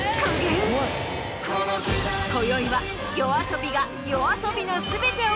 こよいはＹＯＡＳＯＢＩがＹＯＡＳＯＢＩの。